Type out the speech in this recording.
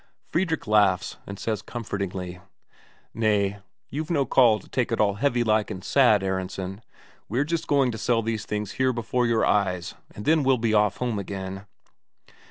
Fredrik laughs, and says comfortingly: "Nay, you've no call to take it all heavy like and sad, Aronsen. We're just going to sell these things here before your eyes, and then we'll be off home again."